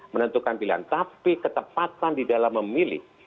menentukan pilihan tapi ketepatan di dalam memilih